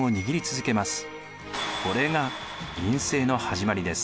これが院政の始まりです。